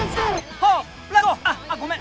あっああごめん！